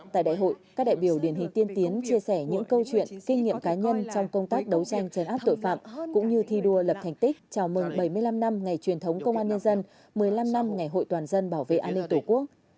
tại đại hội các đại biểu điển hình tiên tiến chia sẻ những câu chuyện kinh nghiệm cá nhân trong công tác đấu tranh chấn áp tội phạm cũng như thi đua lập thành tích chào mừng bảy mươi năm năm ngày truyền thống công an nhân dân một mươi năm năm ngày hội toàn dân bảo vệ an ninh tổ quốc